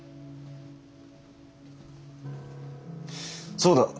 そうだ。